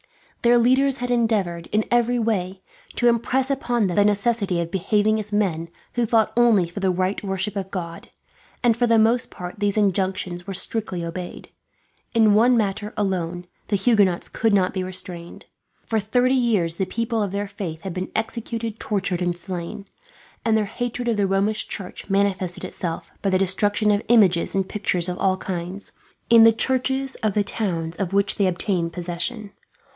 Their leaders had endeavoured, in every way, to impress upon them the necessity of behaving as men who fought only for the right to worship God; and for the most part these injunctions were strictly obeyed. In one matter, alone, the Huguenots could not be restrained. For thirty years the people of their faith had been executed, tortured, and slain; and their hatred of the Romish church manifested itself by the destruction of images and pictures of all kinds, in the churches of the towns of which they obtained possession.